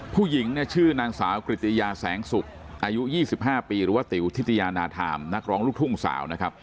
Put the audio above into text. ผู้หญิงเนี่ยชื่อนางสาวกริตยาแสงสุกอายุ๒๕ปีหรือว่าติ๋วทิตยานาธามนักร้องลูกทุ่งสาวนะครับ